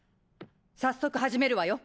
早速始めるわよ。